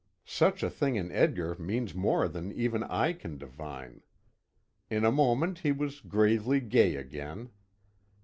Such a thing in Edgar means more than even I can divine. In a moment he was gravely gay again.